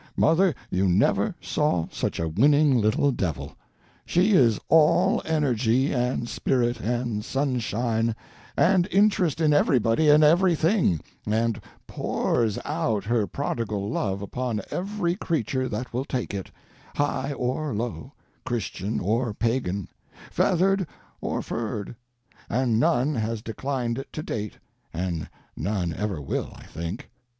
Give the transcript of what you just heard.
Mother, you never saw such a winning little devil. She is all energy, and spirit, and sunshine, and interest in everybody and everything, and pours out her prodigal love upon every creature that will take it, high or low, Christian or pagan, feathered or furred; and none has declined it to date, and none ever will, I think.